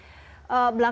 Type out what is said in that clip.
jadi apa yang anda inginkan